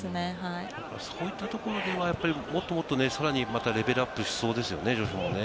そういったところでは、もっともっと、さらにレベルアップしそうですよね、女子もね。